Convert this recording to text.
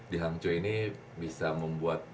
di hang choe ini bisa membuat